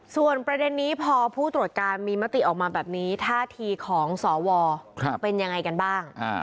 ส่วนประเด็นนี้พอผู้ตรวจการมีมติออกมาแบบนี้ท่าทีของสวเป็นยังไงกันบ้าง